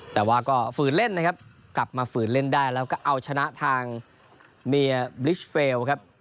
แต่ว่าก็ฝืนเล่นนะครับกลับมาฝืนเล่นได้แล้วก็เอาชนะทางเมียบริชเฟลครับ